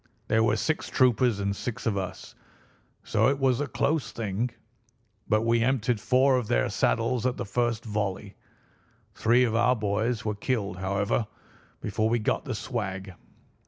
There were six troopers and six of us, so it was a close thing, but we emptied four of their saddles at the first volley. Three of our boys were killed, however, before we got the swag.